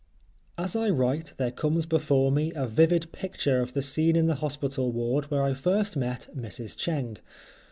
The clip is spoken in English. As I write there comes before me a vivid picture of the scene in the hospital ward where I first saw Mrs. Cheng.